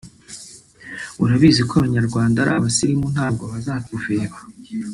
urabizi ko Abanyarwanda ari abasirimu ntabwo bazatuveba